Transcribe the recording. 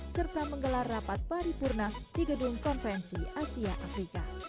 serta menggelar rapat paripurna di gedung konvensi